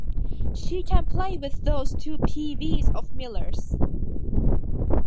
She can play with those two peewees of Miller's.